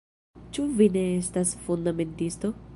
Ĉu vi ne estas fundamentisto?